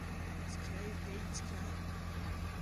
Цқьа иҳәеи, цқьа!